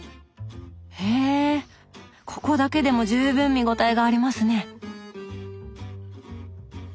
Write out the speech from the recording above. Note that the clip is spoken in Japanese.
へぇここだけでも十分見応えがありますね。